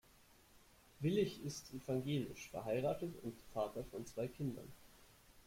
Willich ist evangelisch, verheiratet und Vater von zwei Kindern.